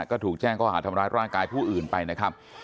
ก็ถูกแจ้งข้อหาทำร้ายร่างกายผู้อื่นไปนะครับ